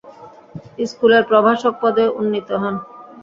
স্কুলের প্রভাষক পদেও উন্নীত হন।